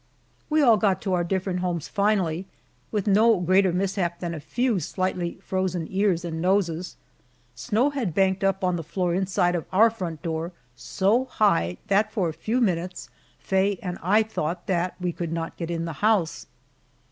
We all got to our different homes finally, with no greater mishap than a few slightly frozen ears and noses. Snow had banked up on the floor inside of our front door so high that for a few minutes Faye and I thought that we could not get in the house.